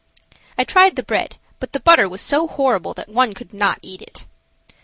I tried the bread, but the butter was so horrible that one could not eat it.